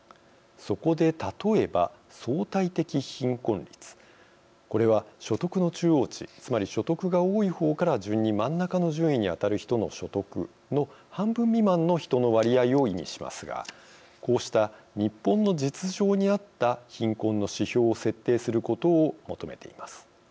そこで、例えば相対的貧困率これは所得の中央値つまり所得が多い方から順に真ん中の順位に当たる人の所得の半分未満の人の割合を意味しますがこうした日本の実情にあった貧困の指標を設定することを求めています。